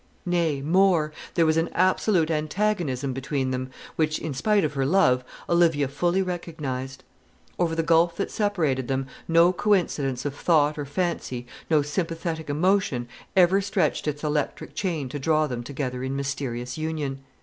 Nay, more; there was an absolute antagonism between them, which, in spite of her love, Olivia fully recognised. Over the gulf that separated them no coincidence of thought or fancy, no sympathetic emotion, ever stretched its electric chain to draw them together in mysterious union.